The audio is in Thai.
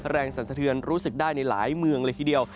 สันสะเทือนรู้สึกได้ในหลายเมืองเลยทีเดียว